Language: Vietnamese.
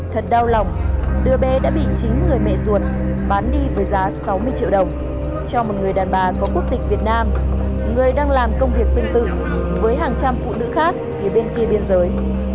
thật đau lòng đứa bé đã bị chín người mẹ ruột bán đi với giá sáu mươi triệu đồng cho một người đàn bà có quốc tịch việt nam người đang làm công việc tương tự với hàng trăm phụ nữ khác từ bên kia biên giới